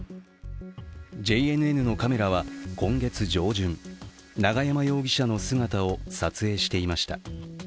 ＪＮＮのカメラは今月上旬永山容疑者の姿を撮影していました。